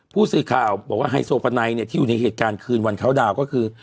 ผู้สื่อข่าวบอกว่าไฮโซฟาไนเนี่ยที่อยู่ในเหตุการณ์คืนวันเขาดาวนก็คือ